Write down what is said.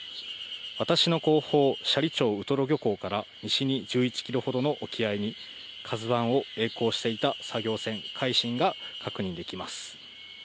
私の後方、斜里町ウトロ漁港から西に１１キロほどの沖合に、ＫＡＺＵＩをえい航していた作業船、海進が確認できます。